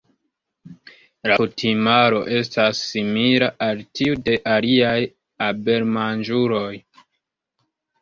La kutimaro estas simila al tiu de aliaj abelmanĝuloj.